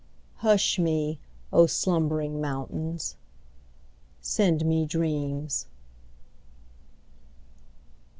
Hush me, O slumbering mountains Send me dreams.